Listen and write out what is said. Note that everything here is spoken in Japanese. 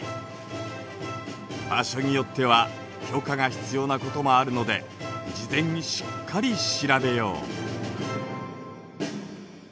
場所によっては許可が必要なこともあるので事前にしっかり調べよう。